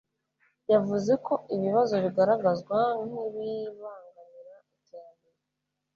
Yavuze ko ibibazo bigaragazwa nk'ibibangamira iterambere